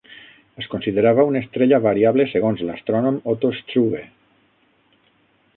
Es considerava una estrella variable segons l'astrònom Otto Struve.